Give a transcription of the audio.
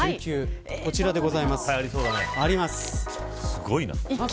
こちらでございます。